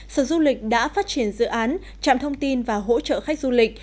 sở du lịch đã phát triển dự án trạm thông tin và hỗ trợ khách du lịch